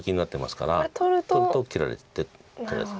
取ると切られて取られてる。